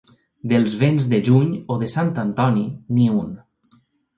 Dels vents de juny o de Sant Antoni, ni un.